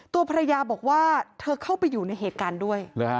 ตัวภรรยาบอกว่าเธอเข้าไปอยู่ในเหตุการณ์ด้วย